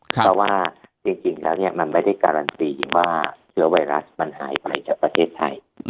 เพราะว่าจริงแล้วมันไม่ได้การันตีว่าเชื้อไวรัสมันหายไปจากประเทศไทย